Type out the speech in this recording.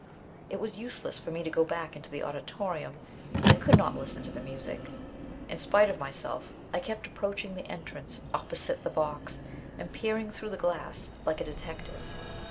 It was useless for me to go back into the auditorium. I could not listen to the music. In spite of myself, I kept approaching the entrance opposite the box, and peering through the glass, like a detective.